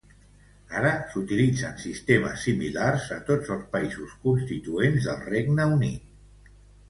Ara s'utilitzen sistemes similars a tots els països constituents del Regne Unit.